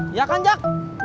iya kan jak